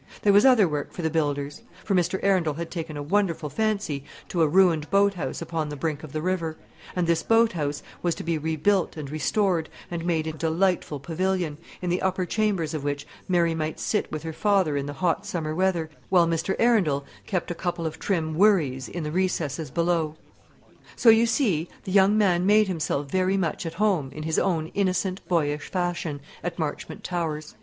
There was other work for the builders; for Mr. Arundel had taken a wonderful fancy to a ruined boat house upon the brink of the river; and this boat house was to be rebuilt and restored, and made into a delightful pavilion, in the upper chambers of which Mary might sit with her father in the hot summer weather, while Mr. Arundel kept a couple of trim wherries in the recesses below. So, you see, the young man made himself very much at home, in his own innocent, boyish fashion, at Marchmont Towers.